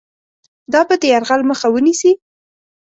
دا به د یرغل مخه ونیسي.